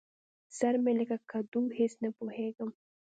سر مې لکه کدو؛ هېڅ نه پوهېږم.